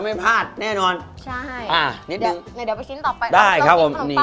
นี่นิดหนึ่งนะครับ